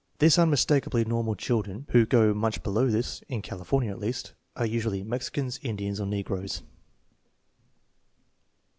The unmistakably normal children who go much below this (in California, at least) are usually Mexicans, Indians, or negroes.